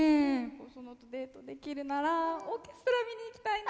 ホソノとデートできるならオーケストラ見に行きたいな。